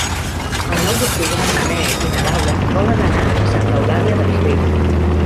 El nou d'octubre en Manel i na Laura volen anar a Santa Eulària des Riu.